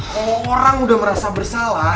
kalau orang udah merasa bersalah